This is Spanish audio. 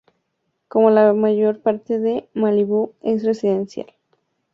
Como la mayor parte de Malibú es residencial, tiene pocos bancos y centros comerciales.